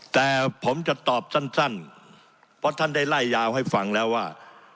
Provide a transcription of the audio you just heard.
แต่ผมจะตอบสั้นเพราะท่านได้ไล่ยาวให้ฟังแล้วว่า